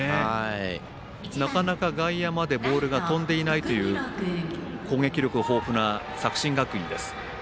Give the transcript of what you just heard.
なかなか外野までボールが飛んでいないという攻撃力豊富な作新学院です。